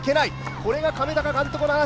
これが亀鷹監督の話す